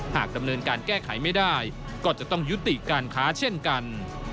หากดำเนินการแก้ไขไม่ได้ก็จะต้องยุติการค้าเช่นกัน